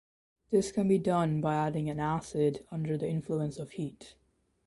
This can be done by adding an acid under the influence of heat.